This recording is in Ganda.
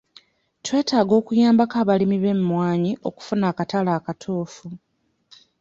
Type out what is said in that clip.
Twetaaga okuyambako abalimi b'emmwanyi okufuna akatale akatuufu.